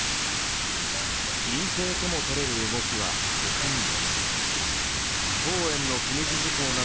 隠ぺいともとれる動きは他にも。